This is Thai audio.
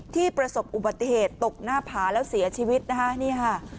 ประสบอุบัติเหตุตกหน้าผาแล้วเสียชีวิตนะคะนี่ค่ะ